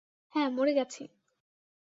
হ্যাঁ, মরে গেছি।